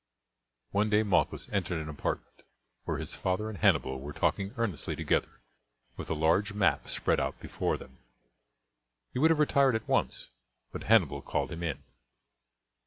One day Malchus entered an apartment where his father and Hannibal were talking earnestly together with a large map spread out before them. He would have retired at once, but Hannibal called him in.